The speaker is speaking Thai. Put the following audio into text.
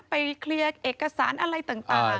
เคลียร์เอกสารอะไรต่าง